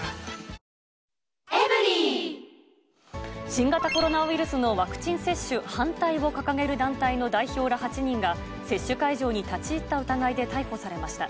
新型コロナウイルスのワクチン接種反対を掲げる団体の代表ら８人が、接種会場に立ち入った疑いで逮捕されました。